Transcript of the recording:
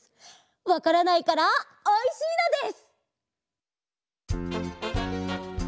わからないからおいしいのです！